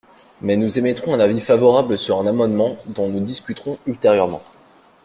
Mais nous émettrons un avis favorable sur un amendement dont nous discuterons ultérieurement.